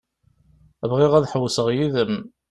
Bɣiɣ ad ḥewwseɣ yid-m.